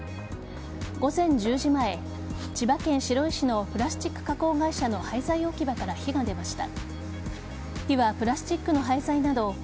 午前１０時前千葉県白井市のプラスチック加工会社の廃材置き場から火が出ました。